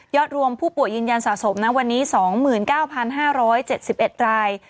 รวมผู้ป่วยยืนยันสะสมนะวันนี้๒๙๕๗๑ราย